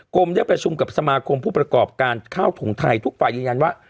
มได้ประชุมกับสมาคมผู้ประกอบการข้าวถุงไทยทุกฝ่ายยืนยันว่า